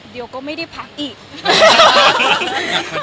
มีใครดูภาพใช่ไหม